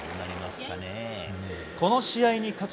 この試合に勝ち